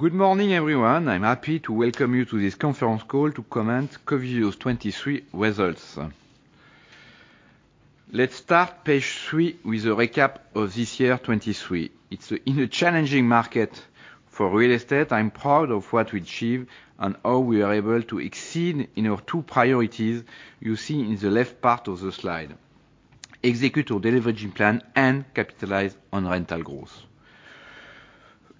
Good morning, everyone. I'm happy to welcome you to this conference call to comment Covivio's 2023 results. Let's start page three with a recap of this year 2023. It's in a challenging market for real estate. I'm proud of what we achieve and how we are able to exceed in our two priorities you see in the left part of the slide, execute our deleveraging plan and capitalize on rental growth.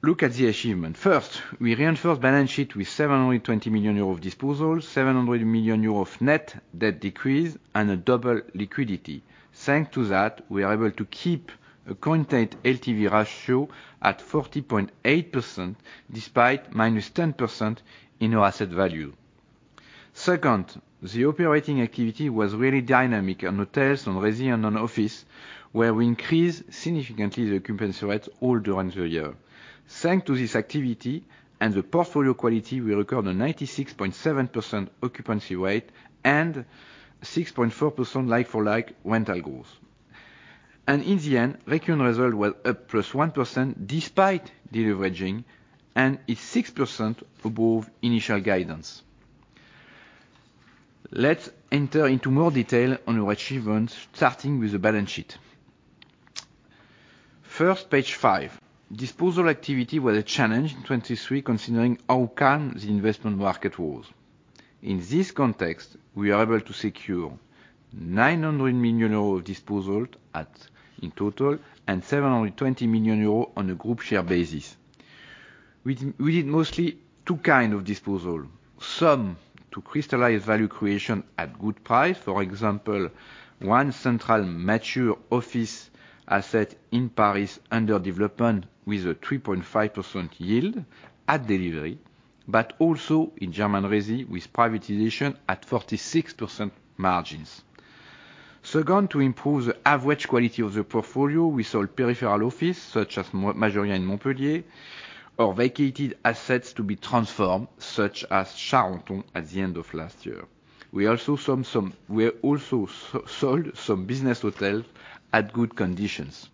Look at the achievement. First, we reinforced balance sheet with 720 million euro of disposal, 700 million euro of net debt decrease, and a double liquidity. Thank to that, we are able to keep a contained LTV ratio at 40.8%, despite -10% in our asset value. Second, the operating activity was really dynamic on hotels, on resi, and on office, where we increased significantly the occupancy rates all during the year. Thank to this activity and the portfolio quality, we record a 96.7% occupancy rate and 6.4% like-for-like rental growth. In the end, recurrent result was up +1% despite deleveraging, and is 6% above initial guidance. Let's enter into more detail on our achievements, starting with the balance sheet. First, page five. Disposal activity was a challenge in 2023, considering how calm the investment market was. In this context, we are able to secure 900 million euros of disposal in total and 720 million euros on a group share basis. We did mostly two kind of disposal, some to crystallize value creation at good price. For example, one central mature office asset in Paris under development with a 3.5% yield at delivery, but also in German resi with privatization at 46% margins. Second, to improve the average quality of the portfolio, we sold peripheral office such as Majoria in Montpellier or vacated assets to be transformed, such as Charenton-le-Pont at the end of last year. We also sold some business hotels at good conditions.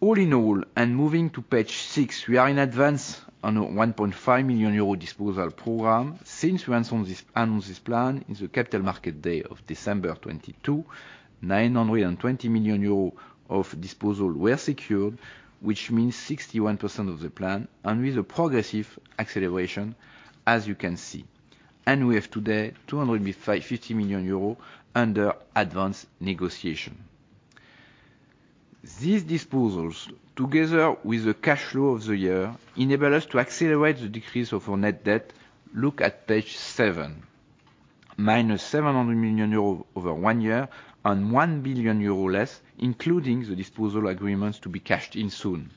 All in all, moving to page six, we are in advance on a 1.5 billion euro disposal program. Since we announced this plan in the Capital Markets Day of December 2022, 920 million euros of disposal were secured, which means 61% of the plan and with a progressive acceleration, as you can see. We have today 250 million euros under advanced negotiation. These disposals, together with the cash flow of the year, enable us to accelerate the decrease of our net debt. Look at page seven, -700 million euros over one year and 1 billion euros less, including the disposal agreements to be cashed in soon.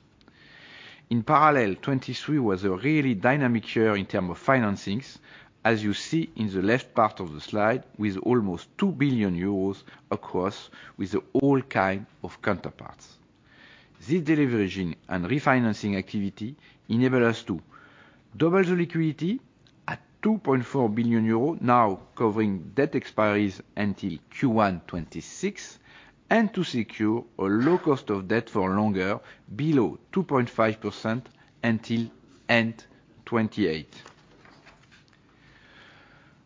In parallel, 2023 was a really dynamic year in term of financings, as you see in the left part of the slide, with almost 2 billion euros across with the all kind of counterparts. This deleveraging and refinancing activity enable us to double the liquidity at 2.4 billion euro, now covering debt expiries until Q1 2026, and to secure a low cost of debt for longer below 2.5% until end 2028.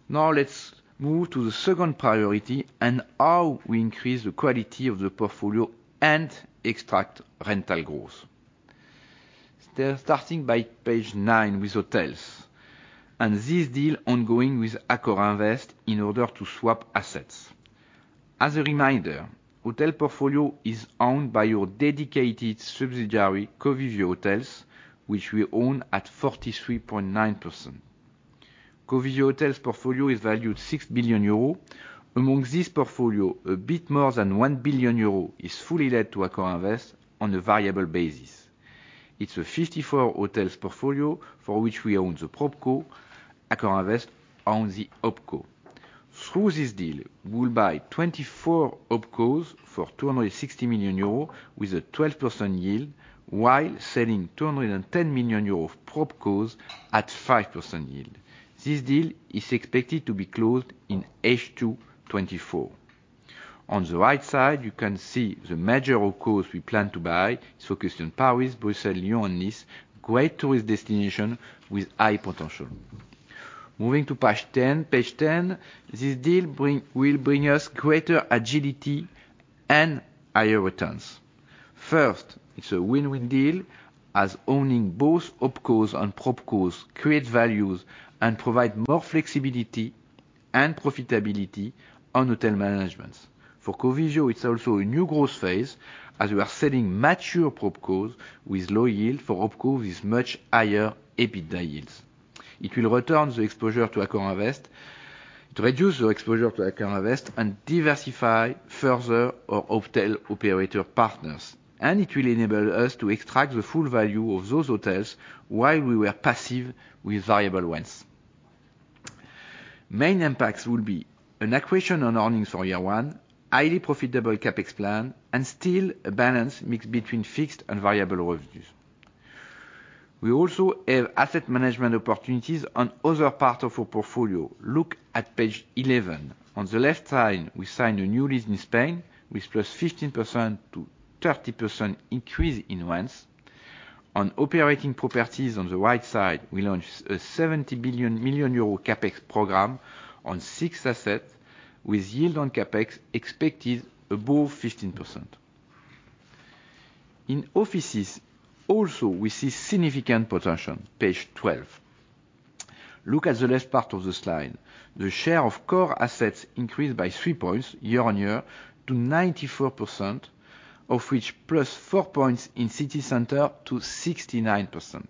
Now let's move to the second priority and how we increase the quality of the portfolio and extract rental growth. Starting by page nine with hotels and this deal ongoing with AccorInvest in order to swap assets. As a reminder, hotel portfolio is owned by our dedicated subsidiary, Covivio Hotels, which we own at 43.9%. Covivio Hotels portfolio is valued 6 billion euro. Among this portfolio, a bit more than 1 billion euro is fully let to AccorInvest on a variable basis. It's a 54 hotels portfolio for which we own the PropCo, AccorInvest own the OpCo. Through this deal, we'll buy 24 OpCos for 260 million euro with a 12% yield while selling 210 million euro of PropCos at 5% yield. This deal is expected to be closed in H2 2024. On the right side, you can see the major OpCos we plan to buy. It's focused on Paris, Brussels, Lyon, and Nice, great tourist destination with high potential. Moving to page 10. This deal will bring us greater agility and higher returns. First, it's a win-win deal as owning both OpCos and PropCos create values and provide more flexibility and profitability on hotel managements. For Covivio, it's also a new growth phase as we are selling mature PropCos with low yield for OpCos with much higher EBITDA yields. It will return the exposure to AccorInvest, to reduce the exposure to AccorInvest and diversify further our hotel operator partners, and it will enable us to extract the full value of those hotels while we were passive with variable rents. Main impacts will be an accretion on earnings for year one, highly profitable CapEx plan, and still a balanced mix between fixed and variable revenues. We also have asset management opportunities on other parts of our portfolio. Look at page 11. On the left side, we signed a new lease in Spain with +15% to 30% increase in rents. On operating properties on the right side, we launched a 70 billion CapEx program on six assets with yield on CapEx expected above 15%. In offices, also, we see significant potential. Page 12. Look at the left part of the slide. The share of core assets increased by three points year-on-year to 94%, of which +4 points in city center to 69%.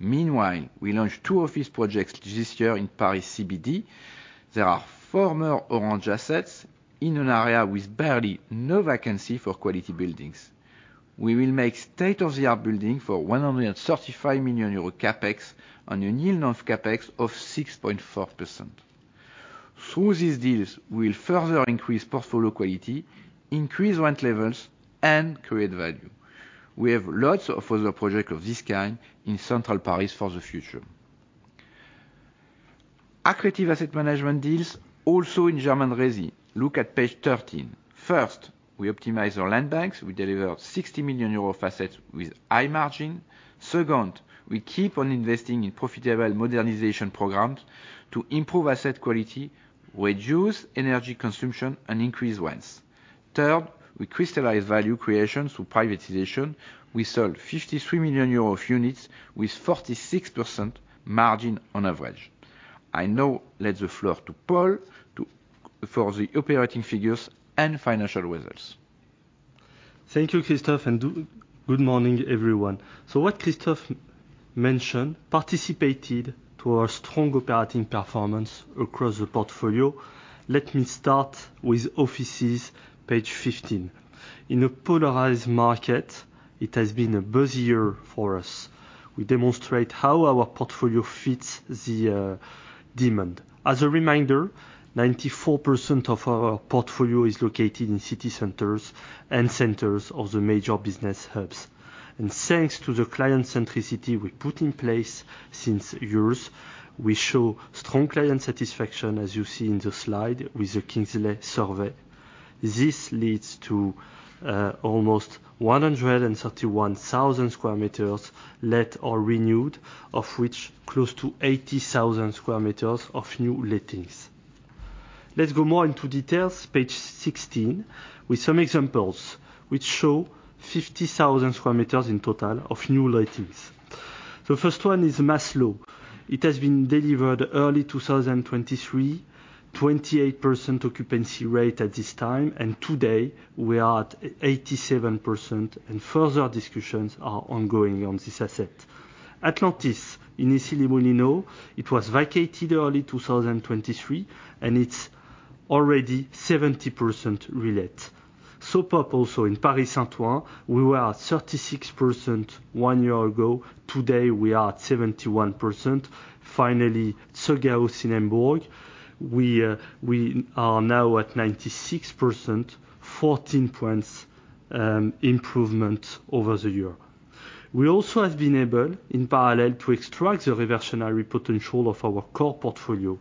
Meanwhile, we launched two office projects this year in Paris CBD. There are former Orange assets in an area with barely no vacancy for quality buildings. We will make state-of-the-art building for 135 million euro CapEx on a yield on CapEx of 6.4%. Through these deals, we'll further increase portfolio quality, increase rent levels, and create value. We have lots of other projects of this kind in central Paris for the future. Accretive asset management deals also in German resi. Look at page 13. First, we optimize our land banks. We deliver 60 million euro of assets with high margin. Second, we keep on investing in profitable modernization programs to improve asset quality, reduce energy consumption, and increase rents. Third, we crystallize value creation through privatization. We sold 53 million euro of units with 46% margin on average. I now let the floor to Paul for the operating figures and financial results. Thank you, Christophe, and good morning, everyone. What Christophe mentioned participated to our strong operating performance across the portfolio. Let me start with offices, page 15. In a polarized market, it has been a busy year for us. We demonstrate how our portfolio fits the demand. As a reminder, 94% of our portfolio is located in city centers and centers of the major business hubs. Thanks to the client centricity we put in place since years, we show strong client satisfaction, as you see in the slide with the KingsleySurveys. This leads to almost 131,000 square meters let or renewed, of which close to 80,000 square meters of new lettings. Let's go more into details, page 16, with some examples which show 50,000 square meters in total of new lettings. The first one is Maslö. It has been delivered early 2023, 28% occupancy rate at this time, and today we are at 87%. Further discussions are ongoing on this asset. Atlantis in Issy-les-Moulineaux, it was vacated early 2023, and it's already 70% relet. SO/Pop also in Paris Saint-Ouen, we were at 36% one year ago. Today, we are at 71%. Finally, SO/Gao in Hamburg, we are now at 96%, 14 points improvement over the year. We also have been able, in parallel, to extract the reversionary potential of our core portfolio.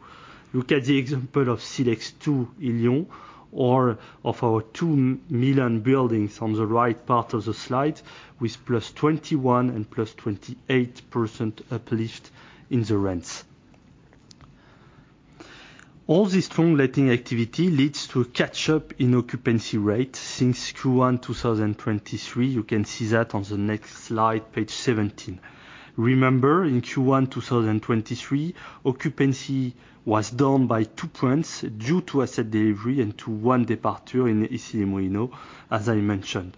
Look at the example of Silex² in Lyon or of our two Milan buildings on the right part of the slide with plus 21 and plus 28% uplift in the rents. All this strong letting activity leads to a catch-up in occupancy rate since Q1 2023. You can see that on the next slide, page 17. Remember, in Q1 2023, occupancy was down by two points due to asset delivery and to one departure in Issy-les-Moulineaux, as I mentioned.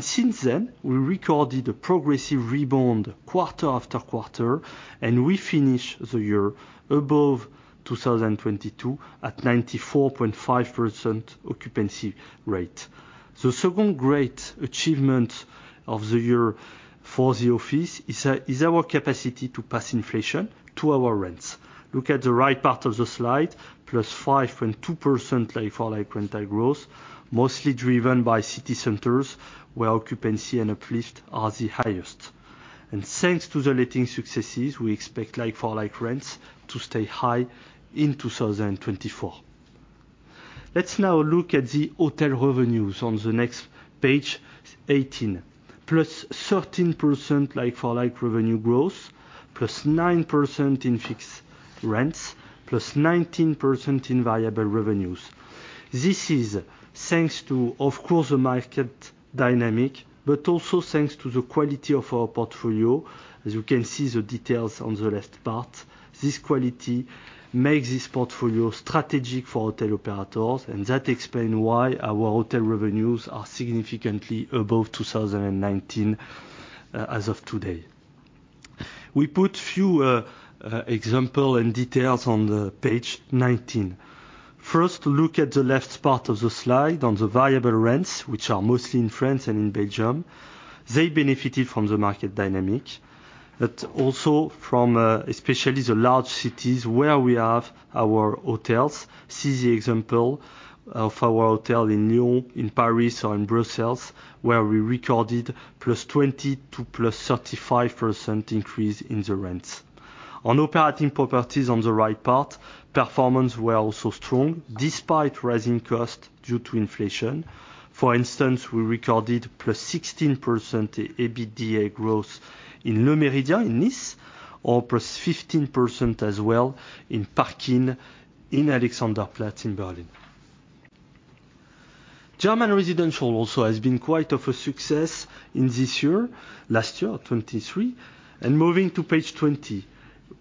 Since then, we recorded a progressive rebound quarter after quarter, and we finish the year above 2022 at 94.5% occupancy rate. The second great achievement of the year for the office is our capacity to pass inflation to our rents. Look at the right part of the slide, plus 5.2% like-for-like rental growth, mostly driven by city centers where occupancy and uplift are the highest. Thanks to the letting successes, we expect like-for-like rents to stay high in 2024. Let's now look at the hotel revenues on the next page, 18. Plus 13% like-for-like revenue growth, plus 9% in fixed rents, plus 19% in variable revenues. This is thanks to, of course, the market dynamic, but also thanks to the quality of our portfolio. As you can see the details on the left part. This quality makes this portfolio strategic for hotel operators, and that explains why our hotel revenues are significantly above 2019 as of today. We put few example and details on the page 19. First, look at the left part of the slide on the variable rents, which are mostly in France and in Belgium. They benefited from the market dynamic, but also from especially the large cities where we have our hotels. See the example of our hotel in Lyon, in Paris or in Brussels, where we recorded plus 20 to plus 35% increase in the rents. On operating properties on the right part, performance were also strong despite rising cost due to inflation. For instance, we recorded plus 16% EBITDA growth in Le Méridien in Nice, or plus 15% as well in Park Inn in Alexanderplatz in Berlin. German residential has been quite a success in this year, last year, 2023. Moving to page 20.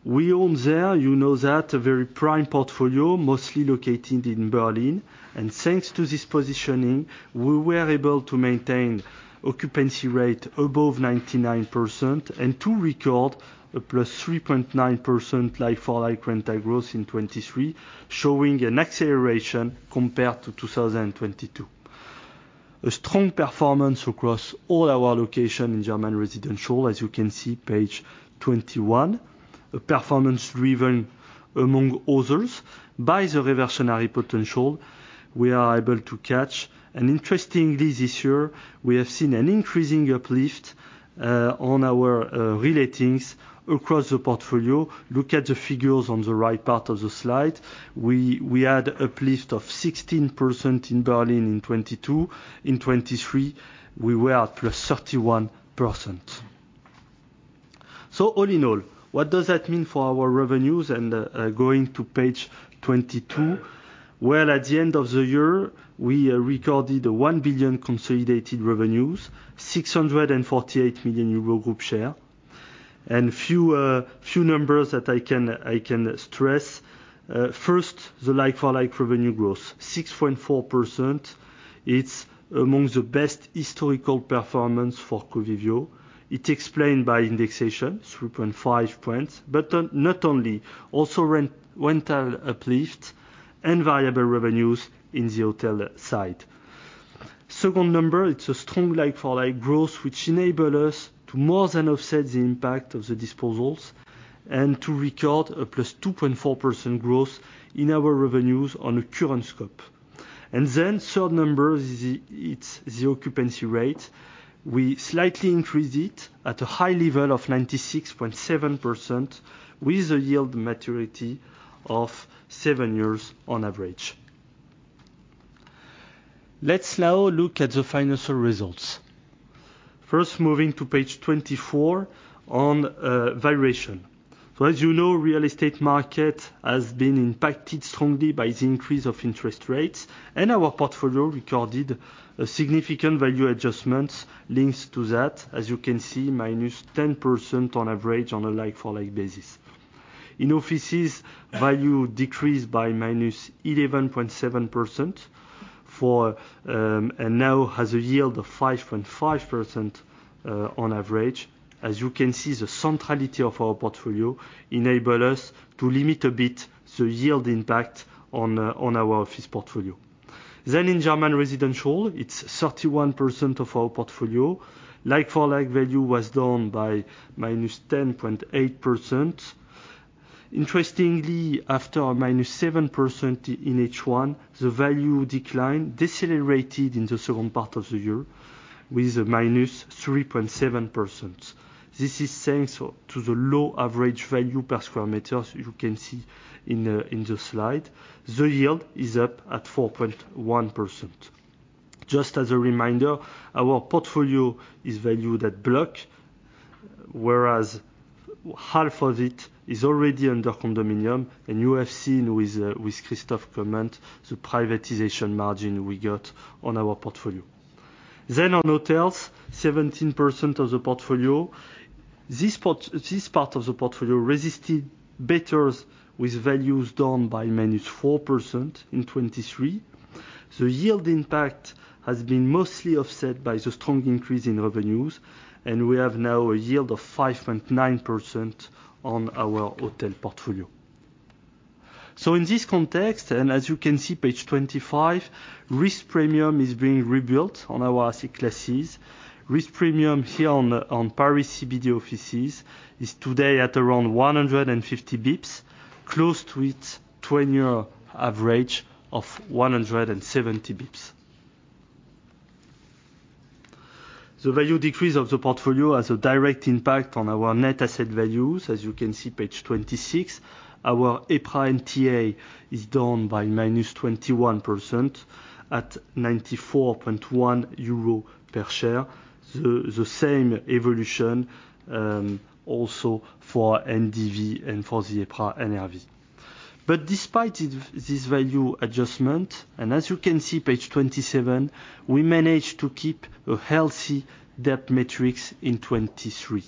We own there, you know that, a very prime portfolio, mostly located in Berlin. Thanks to this positioning, we were able to maintain occupancy rate above 99% and to record a +3.9% like-for-like rental growth in 2023, showing an acceleration compared to 2022. A strong performance across all our locations in German residential, as you can see, page 21, a performance driven, among others, by the reversionary potential we are able to catch. Interestingly this year, we have seen an increasing uplift on our re-lettings across the portfolio. Look at the figures on the right part of the slide. We had uplift of 16% in Berlin in 2022. In 2023, we were at +31%. All in all, what does that mean for our revenues? Going to page 22. Well, at the end of the year, we recorded 1 billion consolidated revenues, 648 million euro group share. A few numbers that I can stress. First, the like-for-like revenue growth, 6.4%. It is among the best historical performance for Covivio. It is explained by indexation, 3.5 points, but not only, also rental uplift and variable revenues in the hotel side. Second number, it is a strong like-for-like growth which enables us to more than offset the impact of the disposals and to record a +2.4% growth in our revenues on a current scope. Third number is the occupancy rate. We slightly increased it at a high level of 96.7% with a yield maturity of seven years on average. Let's now look at the financial results. First, moving to page 24 on valuation. As you know, real estate market has been impacted strongly by the increase of interest rates, and our portfolio recorded a significant value adjustments linked to that. As you can see, -10% on average on a like-for-like basis. In offices, value decreased by -11.7% and now has a yield of 5.5% on average. As you can see, the centrality of our portfolio enables us to limit a bit the yield impact on our office portfolio. In German residential, it is 31% of our portfolio. Like-for-like value was down by -10.8%. Interestingly, after a -7% in H1, the value decline decelerated in the second part of the year with a -3.7%. This is thanks to the low average value per sq m you can see in the slide. The yield is up at 4.1%. Just as a reminder, our portfolio is valued at block, whereas half of it is already under condominium, and you have seen with Christophe's comment the privatization margin we got on our portfolio. On hotels, 17% of the portfolio. This part of the portfolio resisted better with values down by -4% in 2023. The yield impact has been mostly offset by the strong increase in revenues, and we have now a yield of 5.9% on our hotel portfolio. In this context, as you can see, page 25, risk premium is being rebuilt on our asset classes. Risk premium here on Paris CBD offices is today at around 150 basis points, close to its 20-year average of 170 basis points. The value decrease of the portfolio has a direct impact on our net asset values. As you can see, page 26, our EPRA NTA is down by -21% at 94.1 euro per share. The same evolution also for NDV and for the EPRA NRV. Despite this value adjustment, as you can see, page 27, we managed to keep a healthy debt metrics in 2023.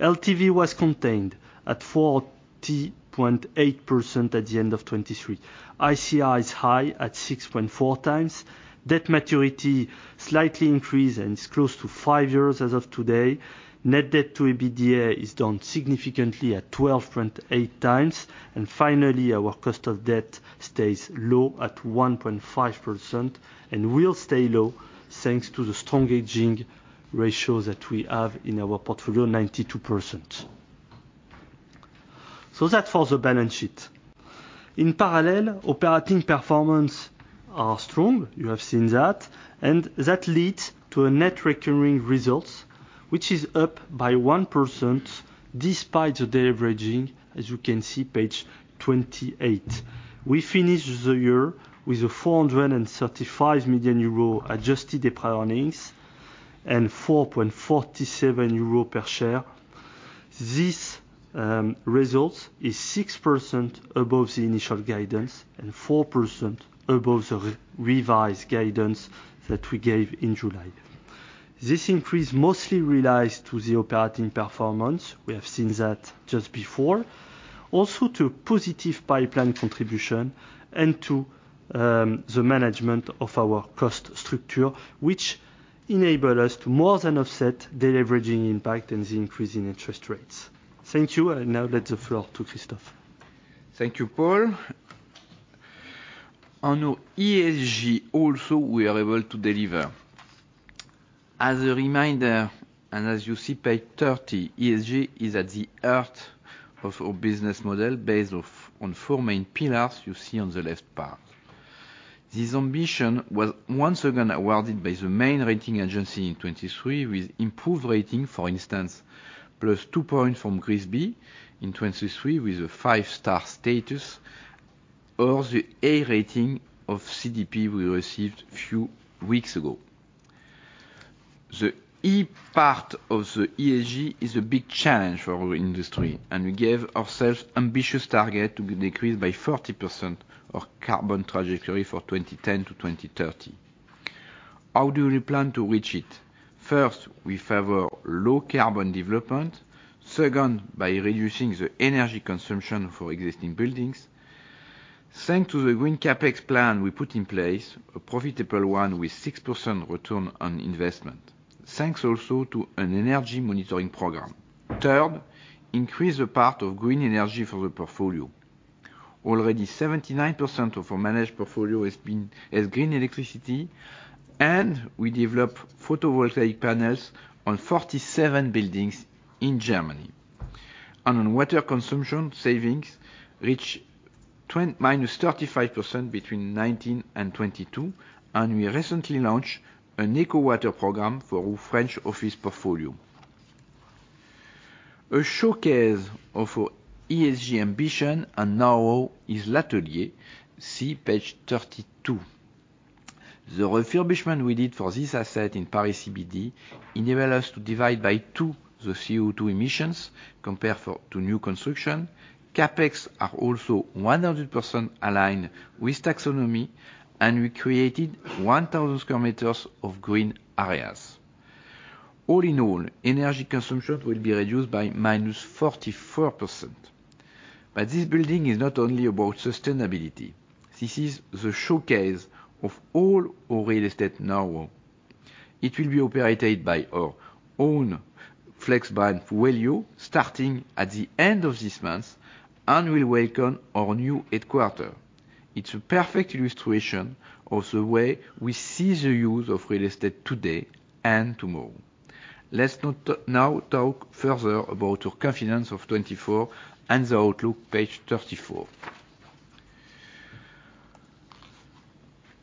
LTV was contained at 40.8% at the end of 2023. ICR is high at 6.4 times. Debt maturity slightly increased and is close to five years as of today. Net debt to EBITDA is down significantly at 12.8 times. Finally, our cost of debt stays low at 1.5% and will stay low, thanks to the strong hedging ratio that we have in our portfolio, 92%. That for the balance sheet. In parallel, operating performance are strong. You have seen that leads to EPRA earnings, which is up by 1% despite the deleveraging, as you can see, page 28. We finished the year with a 435 million euro EPRA earnings and 4.47 euro per share. This result is 6% above the initial guidance and 4% above the revised guidance that we gave in July. This increase mostly relates to the operating performance. We have seen that just before. Also to positive pipeline contribution and to the management of our cost structure, which enabled us to more than offset deleveraging impact and the increase in interest rates. Thank you. I now give the floor to Christophe. Thank you, Paul. On our ESG also, we are able to deliver. As a reminder, as you see, page 30, ESG is at the heart of our business model based on four main pillars you see on the left part. This ambition was once again awarded by the main rating agency in 2023 with improved rating, for instance, +2 points from GRESB in 2023 with a five-star status, or the A rating of CDP we received few weeks ago. The E part of the ESG is a big challenge for our industry, and we gave ourselves ambitious target to decrease by 30% of carbon trajectory for 2010 to 2030. How do we plan to reach it? First, we favor low-carbon development. Second, by reducing the energy consumption for existing buildings. Thanks to the green CapEx plan we put in place, a profitable one with 6% return on investment, thanks also to an energy monitoring program. Third, increase the part of green energy for the portfolio. Already 79% of our managed portfolio is green electricity, and we develop photovoltaic panels on 47 buildings in Germany. On water consumption, savings reach -35% between 2019 and 2022, and we recently launched an Eco-water program for our French office portfolio. A showcase of our ESG ambition and now is L'Atelier. See page 32. The refurbishment we did for this asset in Paris CBD enable us to divide by two the CO2 emissions compared to new construction. CapEx are also 100% aligned with taxonomy, and we created 1,000 sq m of green areas. All in all, energy consumption will be reduced by -44%. This building is not only about sustainability. This is the showcase of all our real estate now. It will be operated by our own flex brand, Wellio, starting at the end of this month and will welcome our new headquarters. It's a perfect illustration of the way we see the use of real estate today and tomorrow. Let's now talk further about our confidence of 2024 and the outlook, page 34.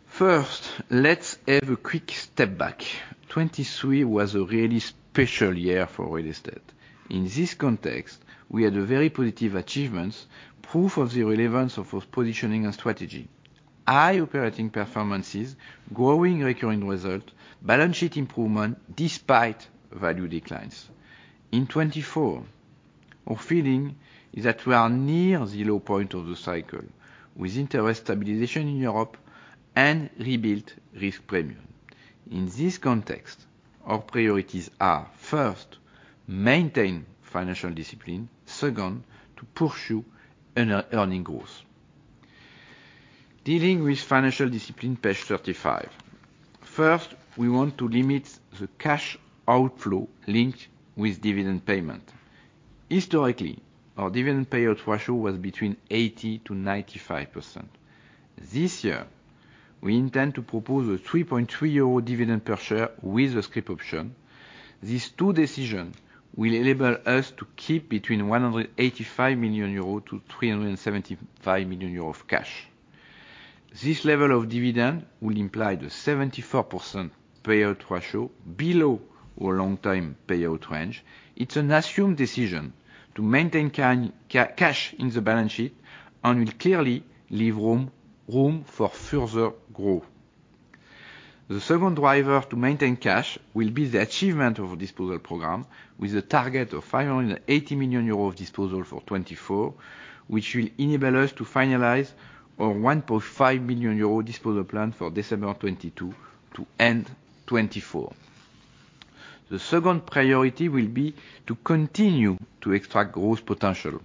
First, let's have a quick step back. 2023 was a really special year for real estate. In this context, we had very positive achievements, proof of the relevance of our positioning and strategy. High operating performances, growing recurring results, balance sheet improvement despite value declines. In 2024, our feeling is that we are near the low point of the cycle, with interest stabilization in Europe and rebuilt risk premium. In this context, our priorities are, first, maintain financial discipline, second, to pursue earning growth. Dealing with financial discipline, page 35. First, we want to limit the cash outflow linked with dividend payment. Historically, our dividend payout ratio was between 80%-95%. This year, we intend to propose a 3.30 euro dividend per share with a scrip option. These two decisions will enable us to keep between 185 million-375 million euros of cash. This level of dividend will imply the 74% payout ratio below our long-time payout range. It's an assumed decision to maintain cash in the balance sheet and will clearly leave room for further growth. The second driver to maintain cash will be the achievement of our disposal program with a target of 580 million euros of disposal for 2024, which will enable us to finalize our 1.5 million euro disposal plan for December 2022 to end 2024. The second priority will be to continue to extract growth potential.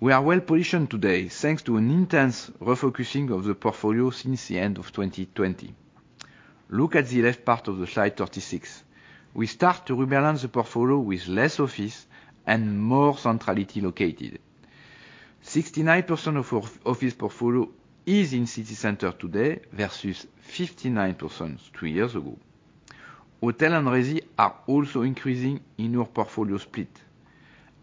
We are well-positioned today, thanks to an intense refocusing of the portfolio since the end of 2020. Look at the left part of the slide 36. We start to rebalance the portfolio with less office and more centrality located. 69% of our office portfolio is in city center today versus 59% two years ago. Hotel and resi are also increasing in our portfolio split.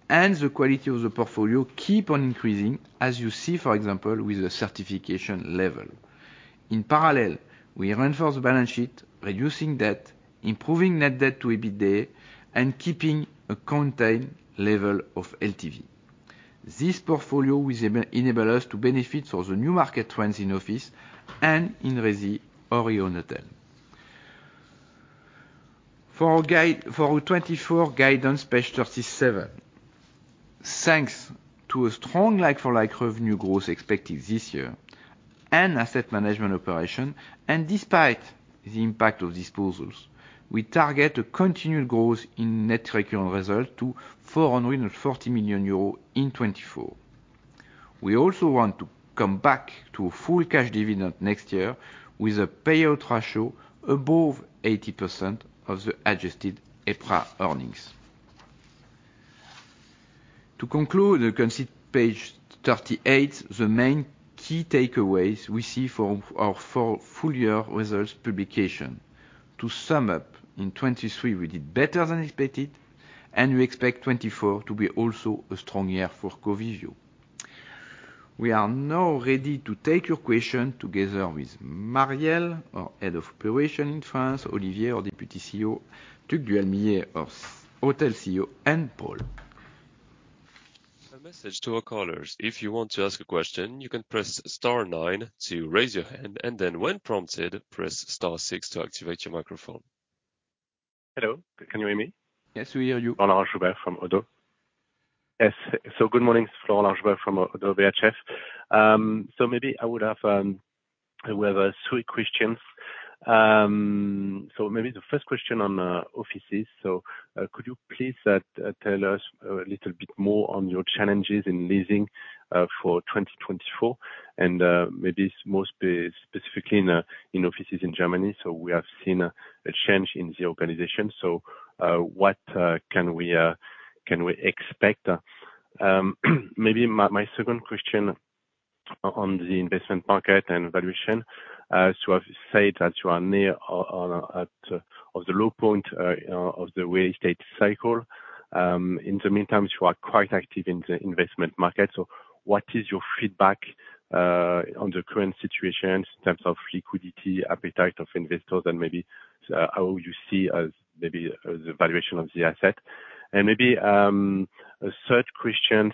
The quality of the portfolio keep on increasing, as you see, for example, with the certification level. In parallel, we reinforce the balance sheet, reducing debt, improving net debt to EBITDA, and keeping a contained level of LTV. This portfolio will enable us to benefit for the new market trends in office and in resi or owned hotel. For our 2024 guidance, page 37. Thanks to a strong like-for-like revenue growth expected this year and asset management operation, and despite the impact of disposals, we target a continued growth in net recurring results to 440 million euros in 2024. We also want to come back to full cash dividend next year with a payout ratio above 80% of the adjusted EPRA earnings. To conclude, you can see page 38, the main key takeaways we see from our full year results publication. To sum up, in 2023, we did better than expected, and we expect 2024 to be also a strong year for Covivio. We are now ready to take your question together with Marielle, our Head of Operation in France, Olivier, our Deputy CEO, Tugdual Milhiri, our Hotel CEO, and Paul. A message to our callers. If you want to ask a question, you can press star nine to raise your hand, and then when prompted, press star six to activate your microphone. Hello, can you hear me? Yes, we hear you. Florent Laroche-Joubert from ODDO BHF. Good morning. It's Florent Laroche-Joubert from ODDO BHF. I would have three questions. The first question on offices. Could you please tell us a little bit more on your challenges in leasing for 2024, and specifically in offices in Germany? We have seen a change in the organization, so what can we expect? My second question on the investment market and valuation. You have said that you are near of the low point of the real estate cycle. In the meantime, you are quite active in the investment market. What is your feedback on the current situation in terms of liquidity, appetite of investors, and how you see the valuation of the asset? A third question.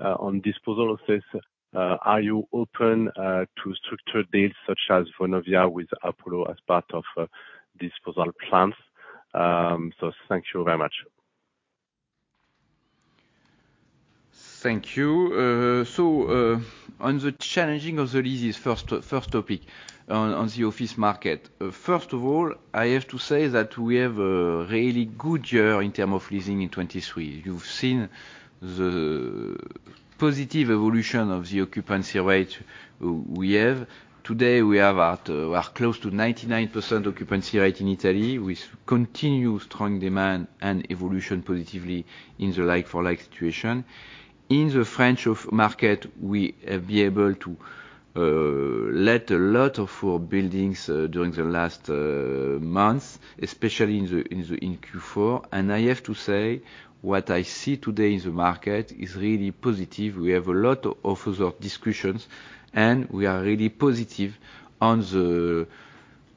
On disposal office, are you open to structured deals such as Vonovia with Apollo as part of disposal plans? Thank you very much. Thank you. On the challenging of the leases, first topic on the office market. First of all, I have to say that we have a really good year in terms of leasing in 2023. You have seen the positive evolution of the occupancy rate we have. Today, we are close to 99% occupancy rate in Italy, with continued strong demand and evolution positively in the like-for-like situation. In the French office market, we have been able to let a lot of our buildings during the last months, especially in Q4. I have to say, what I see today in the market is really positive. We have a lot of offers of discussions. We are really positive on the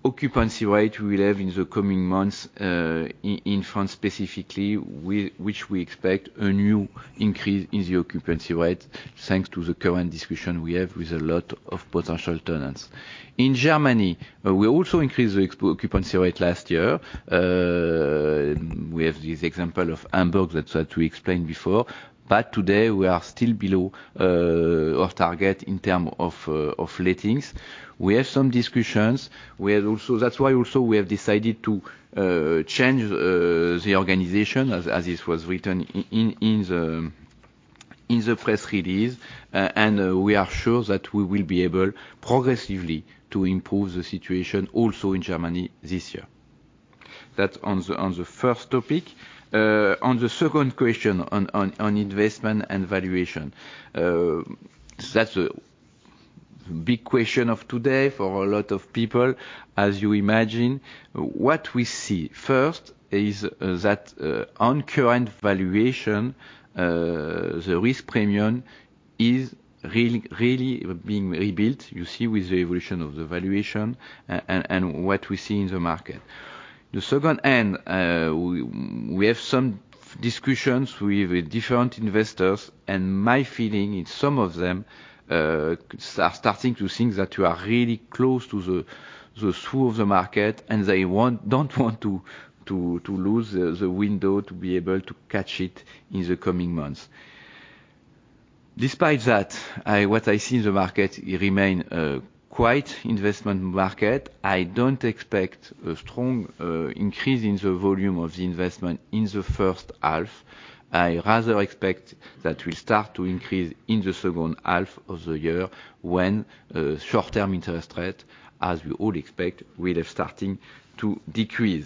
occupancy rate we will have in the coming months, in France specifically. We expect a new increase in the occupancy rate, thanks to the current discussion we have with a lot of potential tenants. In Germany, we also increased the occupancy rate last year. We have this example of Hamburg that we explained before. Today we are still below our target in terms of lettings. We have some discussions. That's why also we have decided to change the organization, as it was written in the press release. We are sure that we will be able, progressively, to improve the situation also in Germany this year. That's on the first topic. On the second question, on investment and valuation. That's a big question of today for a lot of people, as you imagine. What we see, first, is that on current valuation, the risk premium is really being rebuilt, you see with the evolution of the valuation and what we see in the market. The second. We have some discussions with different investors. My feeling is some of them are starting to think that they are really close to the trough of the market, and they don't want to lose the window to be able to catch it in the coming months. Despite that, what I see in the market, it remains a quiet investment market. I don't expect a strong increase in the volume of the investment in the first half. I rather expect that will start to increase in the second half of the year when short-term interest rate, as we all expect, will start to decrease.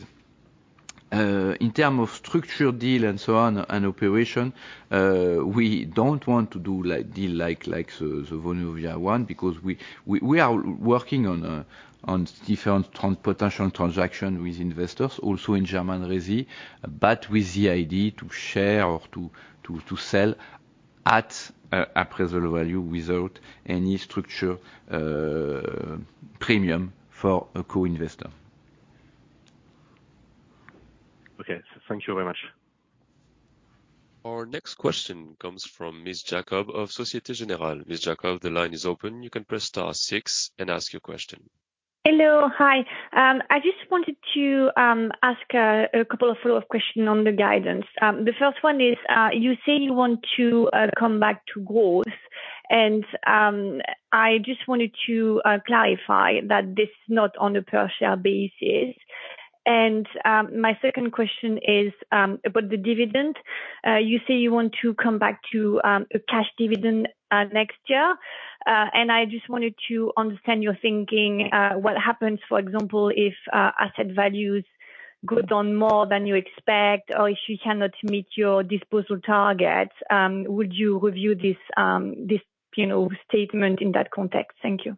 In terms of structure deal and so on and operation, we don't want to do deal like the Vonovia one because we are working on different potential transaction with investors also in German resi, but with the idea to share or to sell at a present value without any structure premium for a co-investor. Okay. Thank you very much. Our next question comes from Ms. Jacob, of Société Générale. Ms. Jacob, the line is open. You can press star six and ask your question. Hello. Hi. I just wanted to ask a couple of follow-up question on the guidance. I just wanted to clarify that this is not on a per share basis. My second question is about the dividend. You say you want to come back to a cash dividend next year. I just wanted to understand your thinking, what happens, for example, if asset values go down more than you expect or if you cannot meet your disposal target, would you review this statement in that context? Thank you.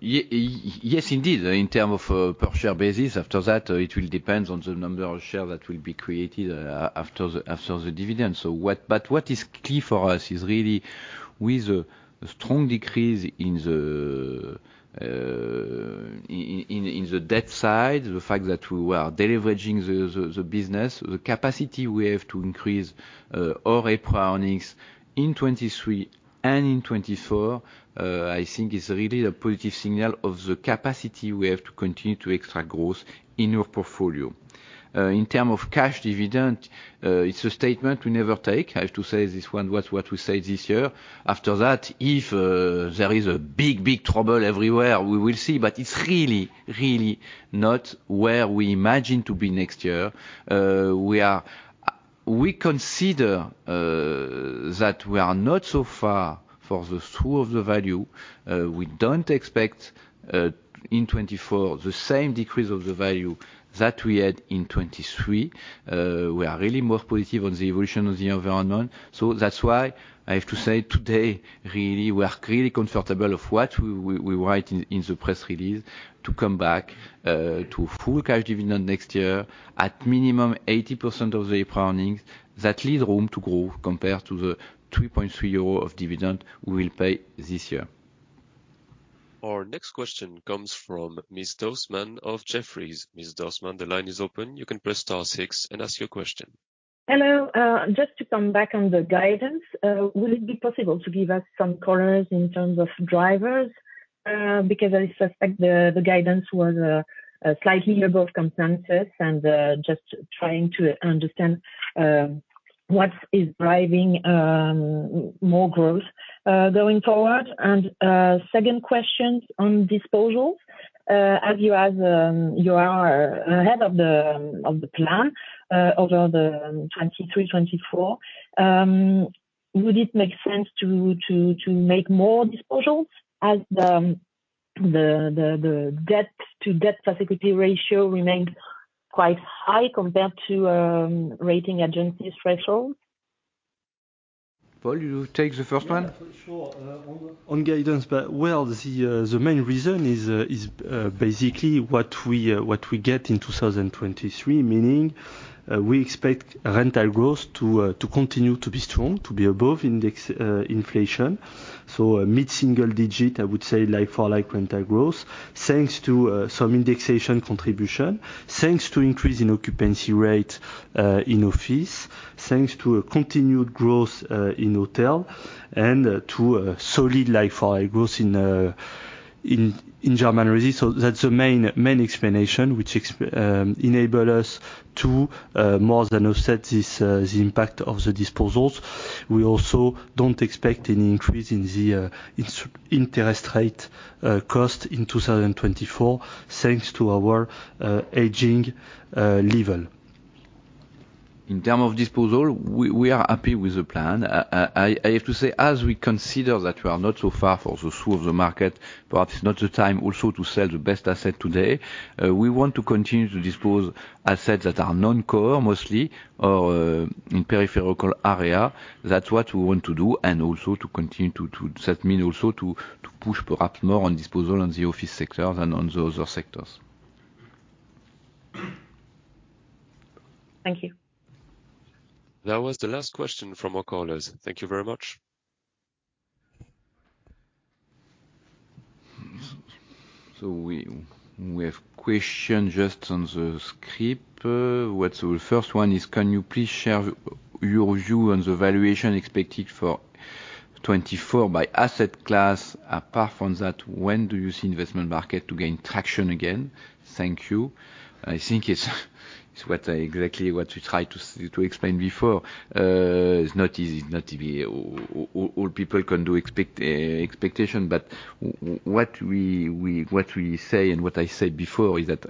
Yes, indeed. In terms of per share basis, after that, it will depend on the number of shares that will be created after the dividend. But what is key for us is really with a strong decrease in the debt side, the fact that we are deleveraging the business, the capacity we have to increase our EPRA earnings in 2023 and in 2024, I think is really a positive signal of the capacity we have to continue to extract growth in our portfolio. In terms of cash dividend, it's a statement we never take. I have to say, this one, what we say this year. After that, if there is a big, big trouble everywhere, we will see, but it's really, really not where we imagine to be next year. We consider that we are not so far for the true of the value. We don't expect, in 2024, the same decrease of the value that we had in 2023. We are really more positive on the evolution of the environment. That's why I have to say today, really, we are clearly comfortable of what we write in the press release to come back to full cash dividend next year at minimum 80% of the EPRA earnings. That leaves room to grow compared to the 3.3 euro of dividend we will pay this year. Our next question comes from Ms. Dossman of Jefferies. Ms. Dossman, the line is open. You can press star six and ask your question. Hello. Just to come back on the guidance. Will it be possible to give us some colors in terms of drivers? I suspect the guidance was slightly above consensus and just trying to understand what is driving more growth, going forward. Second question on disposals, as you are ahead of the plan, over the 2023, 2024, would it make sense to make more disposals as the debt to debt facility ratio remains quite high compared to rating agencies threshold? Paul, you take the first one? Yeah, for sure. On guidance, well, the main reason is basically what we get in 2023, meaning we expect rental growth to continue to be strong, to be above index inflation. A mid-single digit, I would say like-for-like rental growth, thanks to some indexation contribution, thanks to increase in occupancy rate, in office, thanks to a continued growth in hotel and to a solid like-for-like growth in German resi. That's the main explanation which enable us to more than offset the impact of the disposals. We also don't expect any increase in the interest rate cost in 2024, thanks to our hedging level. In terms of disposal, we are happy with the plan. I have to say, as we consider that we are not so far for the smooth of the market, perhaps it's not the time also to sell the best asset today. We want to continue to dispose assets that are non-core mostly, or in peripheral area. That's what we want to do and also to continue to push perhaps more on disposal on the office sector than on the other sectors. Thank you. That was the last question from our callers. Thank you very much. We have question just on the script. The first one is, can you please share your view on the valuation expected for 2024 by asset class? Apart from that, when do you see investment market to gain traction again? Thank you. I think it is exactly what we tried to explain before. It is not easy. Not easy. All people can do expectation, but what we say and what I said before is that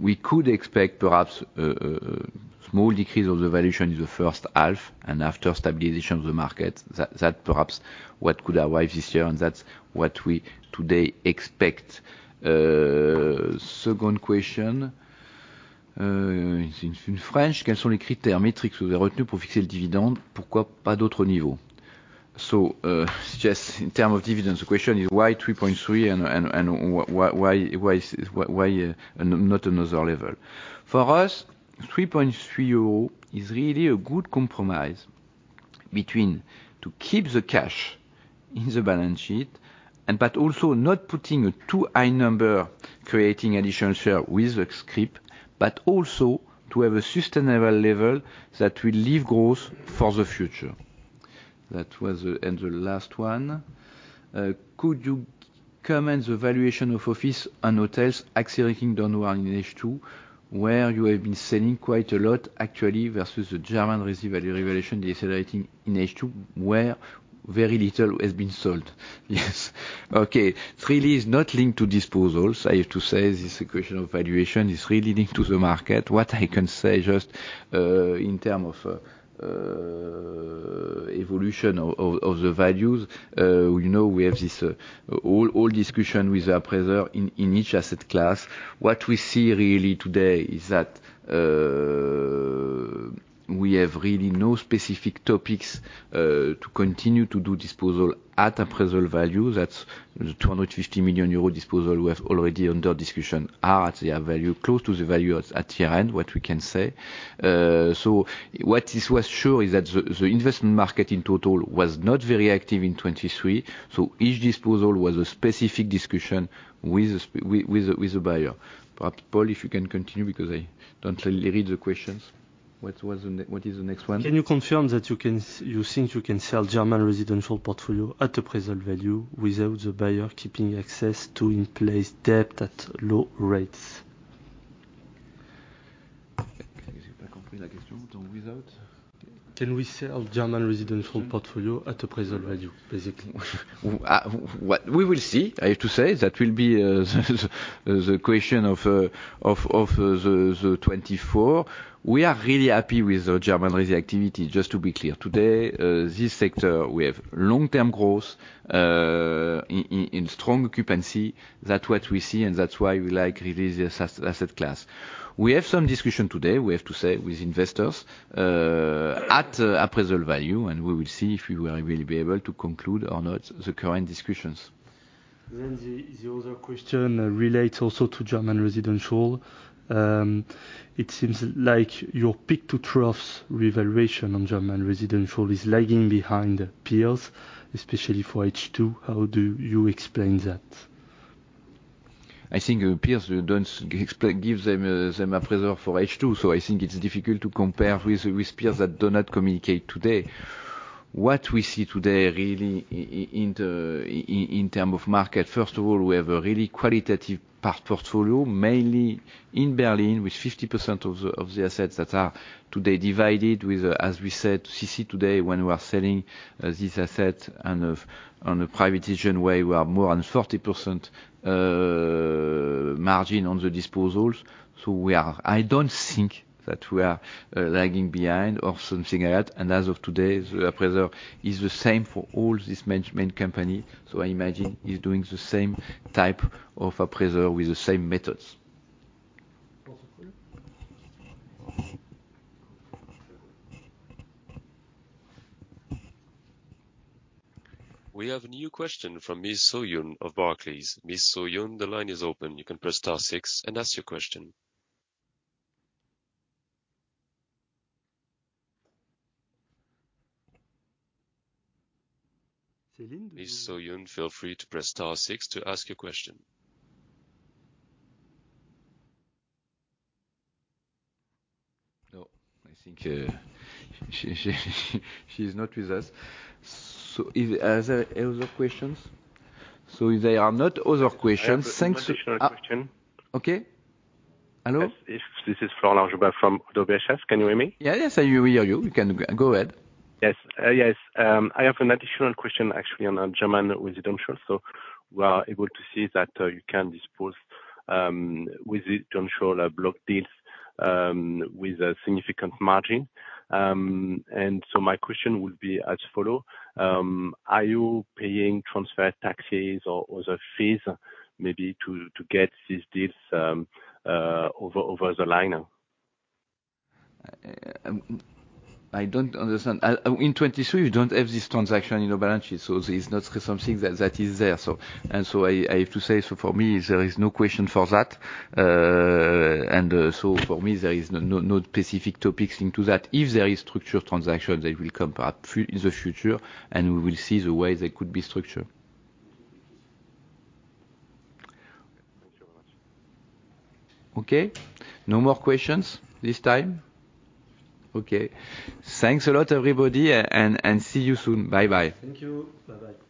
we could expect perhaps a small decrease of the valuation in the first half, and after, stabilization of the market. That perhaps what could arrive this year, and that is what we today expect. Second question in French. Just in term of dividends, the question is why 3.30 and why not another level? For us, 3.30 euros is really a good compromise between to keep the cash in the balance sheet, but also not putting a too high number, creating additional share with the scrip, but also to have a sustainable level that will leave growth for the future. The last one. Could you comment the valuation of office and hotels accelerating downward in H2, where you have been selling quite a lot actually, versus the German revaluation decelerating in H2, where very little has been sold? Yes. Okay. It is really not linked to disposals, I have to say. This equation of valuation is really linked to the market. What I can say, just in term of evolution of the values, we have this whole discussion with appraiser in each asset class. What we see really today is that we have really no specific topics to continue to do disposal at appraisal value. That is the 250 million euro disposal we have already under discussion are at the value, close to the value at year-end, what we can say. What is sure is that the investment market in total was not very active in 2023, so each disposal was a specific discussion with the buyer. Perhaps, Paul, if you can continue because I do not really read the questions. What is the next one? Can you confirm that you think you can sell German residential portfolio at appraisal value without the buyer keeping access to in-place debt at low rates? Can we sell German residential portfolio at appraisal value, basically? We will see, I have to say. That will be the question of 2024. We are really happy with the German resi activity, just to be clear. Today, this sector we have long-term growth and strong occupancy. That's what we see, and that's why we like really this asset class. We have some discussion today, we have to say, with investors at appraisal value, we will see if we will be able to conclude or not the current discussions. The other question relates also to German residential. It seems like your peak to trough revaluation on German residential is lagging behind peers, especially for H2. How do you explain that? I think peers, I think it's difficult to compare with peers that do not communicate today. What we see today, really, in terms of market, first of all, we have a really qualitative part portfolio, mainly in Berlin, with 50% of the assets that are today divided with, as we said, CC today, when we are selling this asset and on a privatization way, we are more than 40% margin on the disposals. I don't think that we are lagging behind or something like that. As of today, the appraiser is the same for all this management company. I imagine he's doing the same type of appraisal with the same methods. We have a new question from Ms. SoYoon of Barclays. Ms. SoYoon, the line is open. You can press star six and ask your question. Ms. SoYoon, feel free to press star six to ask your question. No. I think she's not with us. Are there other questions? If there are not other questions, thanks. I have an additional question. Okay. Hello? This is Florent Laroche-Joubert from ODDO BHF. Can you hear me? Yes, we hear you. You can go ahead. Yes. I have an additional question, actually, on German residential. We are able to see that you can dispose residential block deals with a significant margin. My question would be as follow. Are you paying transfer taxes or other fees maybe to get these deals over the line now? I don't understand. In 2023, we don't have this transaction in our balance sheet, it's not something that is there. I have to say, for me, there is no question for that. For me, there is no specific topics into that. If there is structured transaction, they will come perhaps in the future, and we will see the way they could be structured. Okay. Thank you very much. Okay. No more questions this time? Okay. Thanks a lot, everybody, and see you soon. Bye-bye. Thank you. Bye-bye.